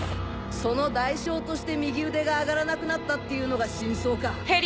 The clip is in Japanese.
その代償として右腕が上がらなくなったっていうのが真相か。